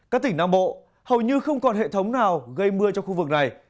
các tỉnh nam bộ hầu như không còn hệ thống nào gây mưa cho khu vực này